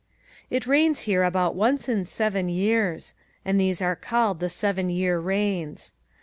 It rains here about once in seven years and these are called the seven year rains.